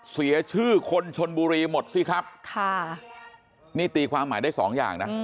เสียชื่อคนชนบุรีหมดสิครับค่ะนี่ตีความหมายได้สองอย่างนะ